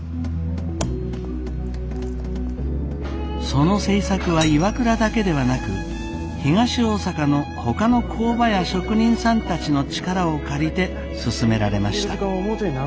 その製作はＩＷＡＫＵＲＡだけではなく東大阪のほかの工場や職人さんたちの力を借りて進められました。